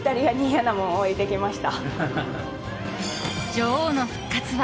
女王の復活は？